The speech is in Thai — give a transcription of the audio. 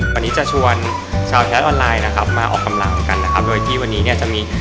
วันนี้จะชวนชาวไทยรัฐออนไลน์นะครับมาออกกำลังกันนะครับโดยที่วันนี้เนี่ยจะมี